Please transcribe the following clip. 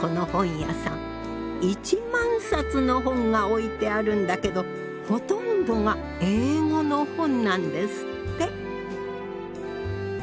１万冊の本が置いてあるんだけどほとんどが英語の本なんですって。